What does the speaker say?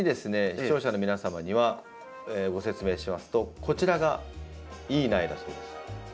視聴者の皆様にはご説明しますとこちらが良い苗だそうです。